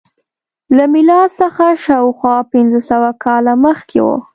دا له میلاد څخه شاوخوا پنځه سوه کاله مخکې وه.